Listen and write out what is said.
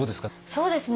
そうですね